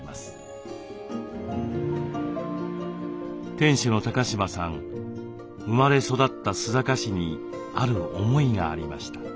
店主の高島さん生まれ育った須坂市にある思いがありました。